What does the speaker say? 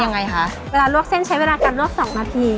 ยังไงคะเวลาลวกเส้นใช้เวลากำลวกสองนาที